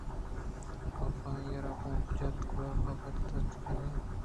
کاف آئی ءَ را گوٛانک جت گُڑا آ پہ تچان آئی ءِ کِرّا اتک